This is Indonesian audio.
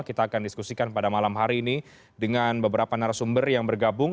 kita akan diskusikan pada malam hari ini dengan beberapa narasumber yang bergabung